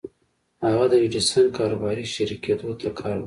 هغه د ايډېسن کاروباري شريک کېدو ته کار وکړ.